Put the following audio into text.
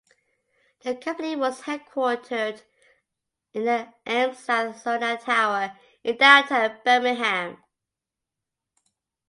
The company was headquartered in the AmSouth-Sonat Tower in downtown Birmingham.